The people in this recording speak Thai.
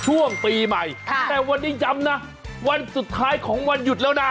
ช่วงปีใหม่แต่วันนี้ย้ำนะวันสุดท้ายของวันหยุดแล้วนะ